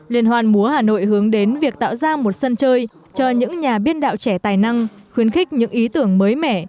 liên hoan múa hà nội hướng đến việc tạo ra một sân chơi cho những nhà biên đạo trẻ tài năng khuyến khích những ý tưởng mới mẻ